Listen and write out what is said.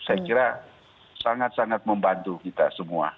saya kira sangat sangat membantu kita semua